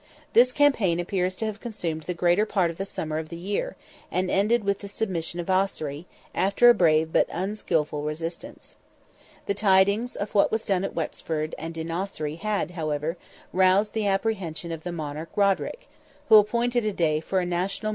This campaign appears to have consumed the greater part of the summer of the year, and ended with the submission of Ossory, after a brave but unskilful resistance. The tidings of what was done at Wexford and in Ossory had, however, roused the apprehension of the monarch Roderick, who appointed a day for a national muster "of the Irish" at the Hill of Tara.